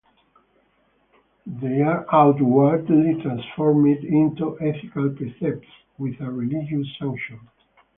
They are outwardly transformed into ethical precepts with a religious sanction.